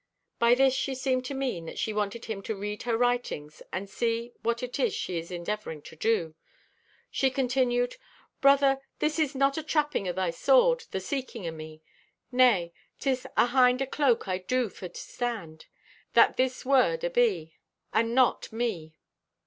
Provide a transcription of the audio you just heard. By this she seemed to mean that she wanted him to read her writings and see what it is she is endeavoring to do. She continued: "Brother, this be not a trapping o' thy sword, the seeking o' me. Nay, 'tis ahind a cloak I do for to stand, that this word abe, and not me."